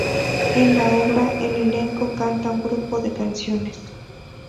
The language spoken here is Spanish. En la obra, el elenco canta un grupo de canciones.